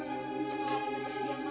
ini juga gak ada